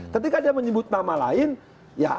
ketika dia menyebut nama lain ya